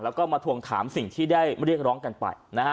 แล้วก็มาทวงถามด้วยคือเรียกร้องกันไป